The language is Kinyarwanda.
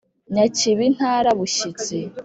Nyakibi ntara bushyitsi